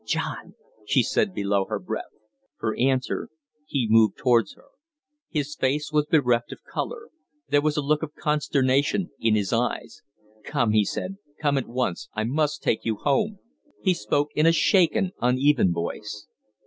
"John " she said below her breath. For answer, he moved towards her. His face was bereft of color; there was a look of consternation in his eyes. "Come!" he said. "Come at once! I must take you home." He spoke in a shaken, uneven voice.